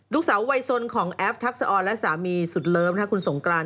ลูกสาววัยสนของแอฟทักษะออนและสามีสุดเลิฟคุณสงกราน